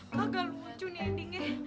gagal munculnya adiknya